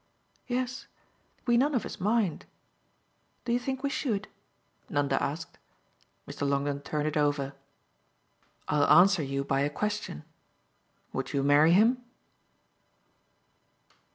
Yes, we none of us mind. Do you think we should?" Nanda asked. Mr. Longdon turned it over. "I'll answer you by a question. Would you marry him?"